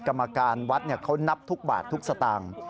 กรรมการวัดเขานับทุกบาททุกสตางค์